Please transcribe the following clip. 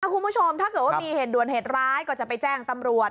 คุณผู้ชมถ้าเกิดว่ามีเหตุด่วนเหตุร้ายก็จะไปแจ้งตำรวจ